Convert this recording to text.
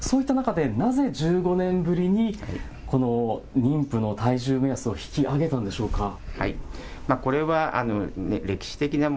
そういった中でなぜ１５年ぶりに妊婦の体重目安を引き上げたんでしょうか。